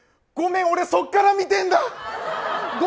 ごめん、俺、そこから見てんだ！